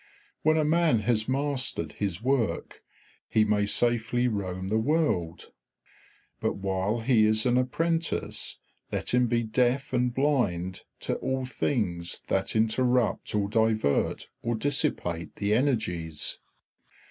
When a man has mastered his work he may safely roam the world; but while he is an apprentice let him be deaf and blind to all things that interrupt or divert or dissipate the energies.